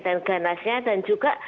dan ganasnya dan juga